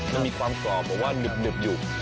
มันมีความสอบหรือว่าเด็ดอยู่